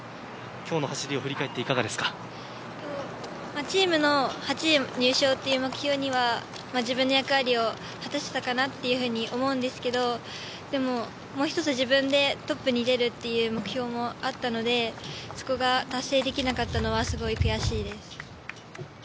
今日の走りを振り返ってチームの８位入賞という目標には自分の役割を果たせたかなというふうに思うんですけどもう一つ自分でトップに出るという目標もあったのでそこが達成できなかったのはすごい悔しいです。